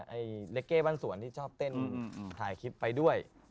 เล็กเก้บ้านสวนที่ชอบเต้นถ่ายคลิปไปด้วย